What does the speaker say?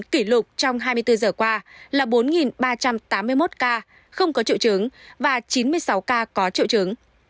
kỷ lục trong hai mươi bốn giờ qua là bốn ba trăm tám mươi một ca không có triệu chứng và chín mươi sáu ca có triệu chứng